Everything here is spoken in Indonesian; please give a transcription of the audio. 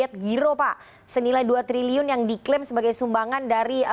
seperti ini kami